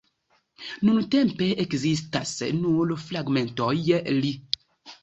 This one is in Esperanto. Nuntempe ekzistas nur fragmentoj li.